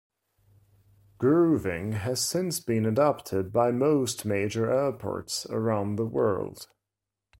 Grooving has since been adopted by most major airports around the world.